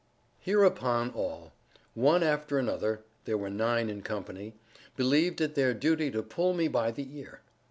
Hereupon all, one after another (there were nine in company), believed it their duty to pull me by the ear.